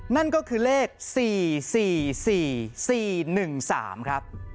นั่นก็คือเลข๔๔๔๔๔๑๓ครับ